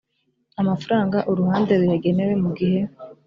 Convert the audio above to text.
amafaranga uruhande ruyagenewe mu gihe